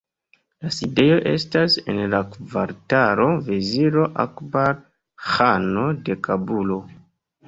La sidejo estas en la kvartalo Veziro Akbar Ĥano de Kabulo.